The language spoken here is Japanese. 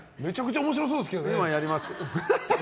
今やります。